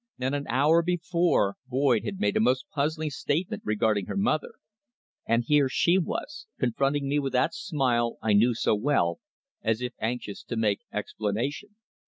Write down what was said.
Not an hour before Boyd had made a most puzzling statement regarding her mother, and here she was, confronting me with that smile I knew so well, as if anxious to make explanation.